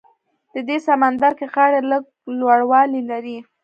د دې سمندرګي غاړې لږ لوړوالی لري.